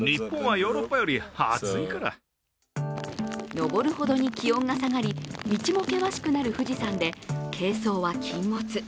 登るほどに気温が下がり、道も険しくなる富士山で軽装は禁物。